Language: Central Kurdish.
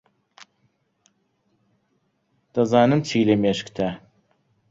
دەزانم چی لە مێشکتە.